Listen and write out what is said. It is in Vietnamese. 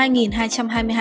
trung tâm hà nội